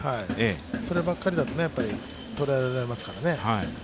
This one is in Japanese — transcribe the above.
そればっかりだと捉えられますからね。